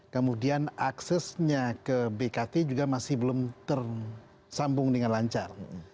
kemudian aksesnya ke bkt juga masih belum tersambung dengan lancar